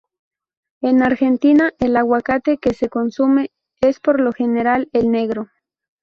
En Argentina, el aguacate que se consume es por lo general el negro.